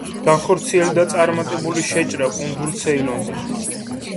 განხორციელდა წარმატებული შეჭრა კუნძულ ცეილონზე.